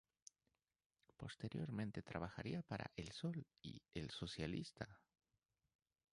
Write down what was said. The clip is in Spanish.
Posteriormente trabajaría para "El Sol" y "El Socialista".